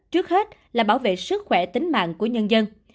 trước hết là bảo vệ sức khỏe tính mạng của nhân dân